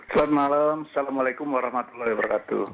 selamat malam assalamualaikum warahmatullahi wabarakatuh